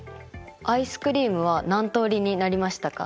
アイスクリームは何通りになりましたか？